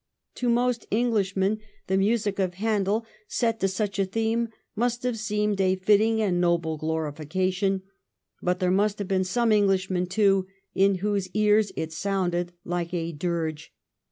To most Englishmen the music of Handel l2 148 THE EEIGN OF QUEEN ANNE. ch. xxvii. set to such a theme must have seemed a fitting and noble glorification, but there must have been some Englishmen, too, in whose ears it sounded like a dirge.